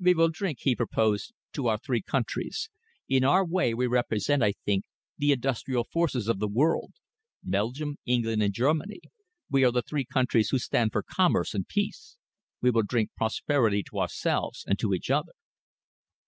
"We will drink," he proposed, "to our three countries. In our way we represent, I think, the industrial forces of the world Belgium, England, and Germany. We are the three countries who stand for commerce and peace. We will drink prosperity to ourselves and to each other."